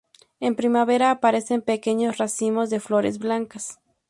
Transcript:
En primavera aparecen pequeños racimos de flores blancas.